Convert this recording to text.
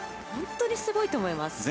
本当、すごいと思います。